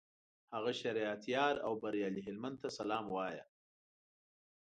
هغه شریعت یار او بریالي هلمند ته سلام وایه.